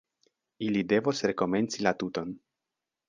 Ili devos rekomenci la tuton.